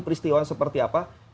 peristiwa seperti apa